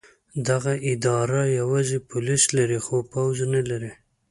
دغه اداره یوازې پولیس لري خو پوځ نه لري.